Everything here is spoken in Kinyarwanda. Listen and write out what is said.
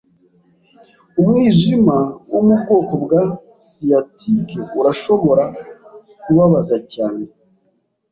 Umwijima wo mu bwoko bwa sciatic urashobora kubabaza cyane.